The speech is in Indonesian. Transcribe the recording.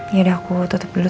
yaudah aku tutup dulu